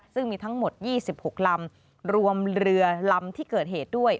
ซึ่งมีทั้งหมด๒๖ลำรวมเรือลำที่เกิดเหตุด้วย